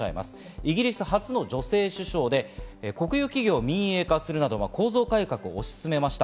イギリス初の女性首相で、国有企業を民営化するなど、構造改革を推し進めました。